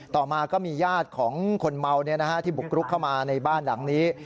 ต่อมาก็มีญาติของคนเมาที่บุกรุกเข้ามาในบ้านหลังนี้